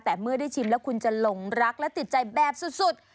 แต่เมื่อได้ชิมแล้วคุณจะหลงรักและติดใจแบบสุด